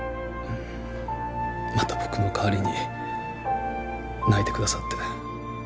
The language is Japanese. また僕の代わりに泣いてくださって。